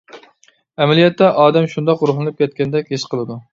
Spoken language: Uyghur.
ئەمەلىيەتتە ئادەم شۇنداق روھلىنىپ كەتكەندەك ھېس قىلىدۇ.